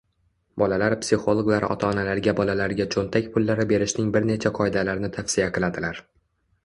bolalar psixologlari ota-onalarga bolalarga cho‘ntak pullari berishning bir necha qoidalarini tavsiya qiladilar: